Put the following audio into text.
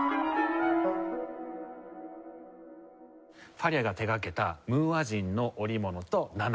ファリャが手がけた『ムーア人の織物』と『ナナ』